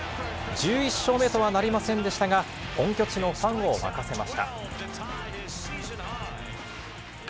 １１勝目とはなりませんでしたが、本拠地のファンを沸かせました。